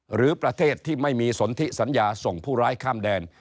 หรือประเทศที่ไม่มีสนทิสัญญาส่งผู้ร้ายข้ามแดน